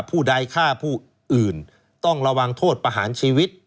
ผู้ใดฆ่าผู้อื่นต้องระวังโทษประหารชีวิต